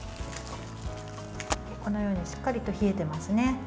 このようにしっかりと冷えていますね。